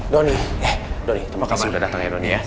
doni doni terima kasih sudah datang ya doni ya